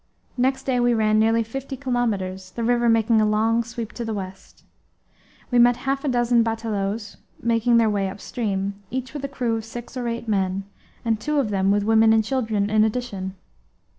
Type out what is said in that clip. Next day we ran nearly fifty kilometres, the river making a long sweep to the west. We met half a dozen batelaos making their way up stream, each with a crew of six or eight men; and two of them with women and children in addition.